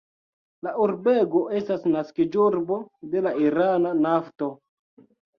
La urbego estas naskiĝurbo de la irana nafto.